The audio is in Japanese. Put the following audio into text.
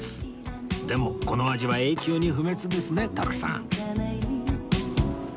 でもこの味は永久に不滅ですね徳さん